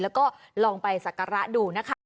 แล้วก็ลองไปสักการะดูนะคะ